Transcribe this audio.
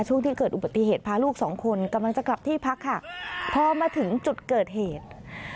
ช่วงที่เกิดอุบัติเหตุพาลูกสองคนกำลังจะกลับที่พักค่ะพอมาถึงจุดเกิดเหตุ